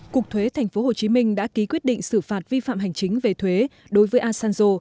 cục thuế tp hcm đã ký quyết định xử phạt vi phạm hành chính về thuế đối với asanzo